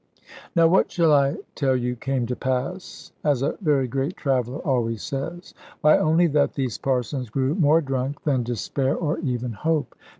Now, what shall I tell you came to pass as a very great traveller always says why, only that these parsons grew more drunk than despair, or even hope.